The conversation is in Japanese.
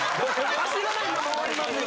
走らないまま終わりますよ。